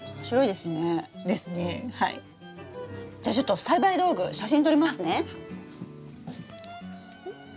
じゃちょっと栽培道具写真撮りますね！